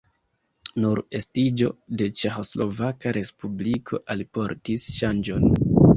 Nur estiĝo de Ĉeĥoslovaka respubliko alportis ŝanĝon.